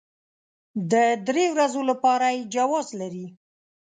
د درې ورځو لپاره يې جواز لري.